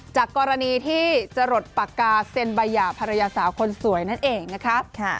จากกรณีที่จะหลดปากกาเซ็นใบหย่าภรรยาสาวคนสวยนั่นเองนะคะ